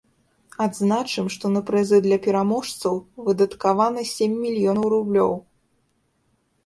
Адзначым, што на прызы для пераможцаў выдаткавана сем мільёнаў рублёў.